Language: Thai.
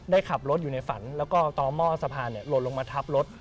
ได้ขับรถอยู่ในฝันแล้วก็ต่อหม้อสะพานหล่นลงมาทับรถ